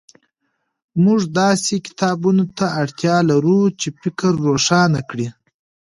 موږ داسې کتابونو ته اړتیا لرو چې فکر روښانه کړي.